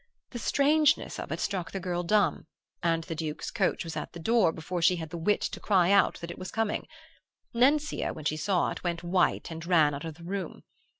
The strangeness of it struck the girl dumb and the Duke's coach was at the door before she had the wit to cry out that it was coming. Nencia, when she saw it, went white and ran out of the room.